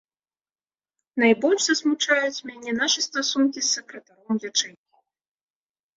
Найбольш засмучаюць мяне нашы стасункі з сакратаром ячэйкі.